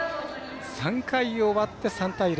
３回、終わって３対０。